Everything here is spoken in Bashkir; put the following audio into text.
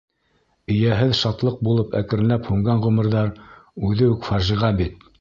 Эйәһеҙ шатлыҡ булып әкренләп һүнгән ғүмерҙәр үҙе үк фажиғә бит.